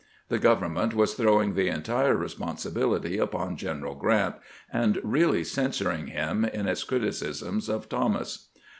..." The government was throwing the entire re sponsibility upon Greneral Grant, and really censuring him in its criticisms of Thomas.